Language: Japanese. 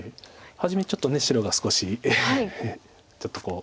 初めちょっと白が少しちょっとこう。